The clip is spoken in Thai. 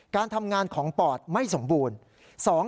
การทำงานของปอดไม่สมบูรณ์